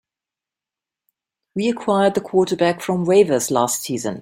We acquired the quarterback from waivers last season.